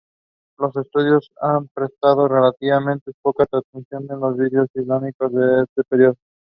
The recommendation was accepted and the change was implemented.